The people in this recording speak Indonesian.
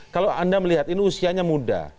kalau anda melihat ini usianya muda